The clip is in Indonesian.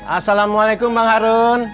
assalamualaikum bang harun